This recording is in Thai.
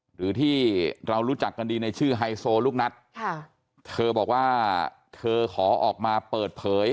หรือที่เรารู้จักกันดีในชื่อไฮโซลูกนัทค่ะเธอบอกว่าเธอขอออกมาเปิดเผย